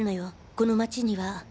この町には。